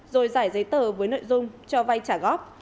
rồi giải giấy tờ với nội dung cho vay trả góp